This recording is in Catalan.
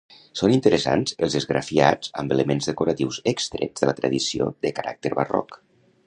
Són interessants els esgrafiats amb elements decoratius extrets de la tradició de caràcter barroc.